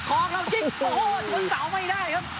คล้องแล้วจิ้งโอ้โหชวนเสาร์ไม่ได้ครับ